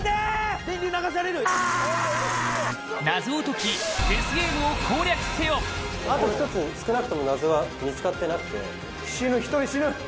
謎を解きデスゲームを攻略せよあと１つ少なくとも謎は見つかってなくて死ぬ１人死ぬ！